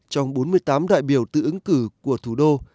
trong bốn mươi tám đại biểu tự ứng cử của thủ đô